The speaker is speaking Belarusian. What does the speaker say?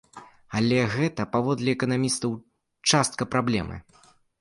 Але гэта, паводле эканамістаў, частка праблемы.